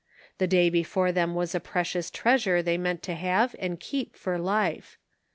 The day before them was a precious treasure they meant to have and keep for life.